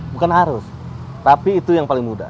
bukan arus tapi itu yang paling mudah